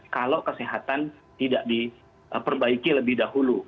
kalau kesehatan tidak diperbaiki lebih dahulu